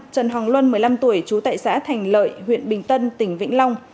trần hồng luân một mươi năm tuổi chú tại xã thành lợi huyện bình tân tỉnh vĩnh long